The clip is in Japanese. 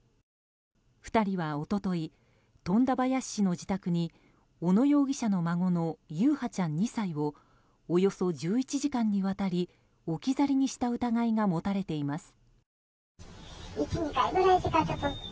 ２人は一昨日、富田林市の自宅に小野容疑者の孫の優陽ちゃん、２歳をおよそ１１時間にわたり置き去りにした疑いが持たれています。